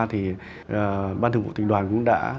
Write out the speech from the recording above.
thì ban thường vụ tỉnh đoàn cũng đã